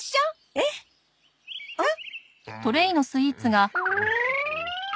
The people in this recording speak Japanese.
ええ！えっ！？